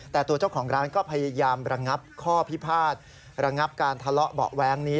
แต่ตัวเจ้าของร้านก็พยายามระงับข้อพิพาทระงับการทะเลาะเบาะแว้งนี้